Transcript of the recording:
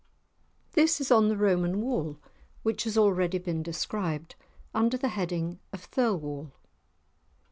This is on the Roman Wall, which has already been described under the heading of Thirlwall.